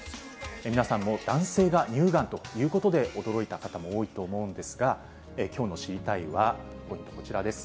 皆さんも男性が乳がんということで、驚いた方も多いと思うんですが、きょうの知りたいッ！はこちらです。